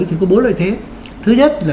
thì có bốn loại thuế thứ nhất là